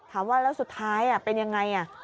ถามว่าแล้วสุดท้ายเป็นยังไง